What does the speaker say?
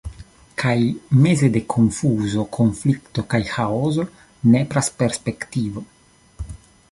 Kaj, meze de konfuzo, konflikto kaj ĥaoso, nepras perspektivo.